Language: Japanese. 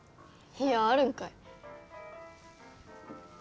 いやあるんかい。